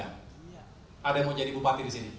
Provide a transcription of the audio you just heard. ada yang mau jadi bupati di sini